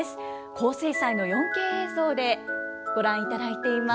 高精細の４Ｋ映像でご覧いただいています。